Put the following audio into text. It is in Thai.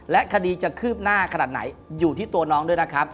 คดีจะคืบหน้าขนาดไหนอยู่ที่ตัวน้องด้วยนะครับ